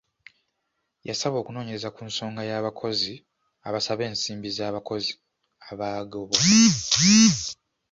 Yasaba okunoonyereza ku nsonga y'abakozi abasaba ensimbi z'abakozi abaagobwa.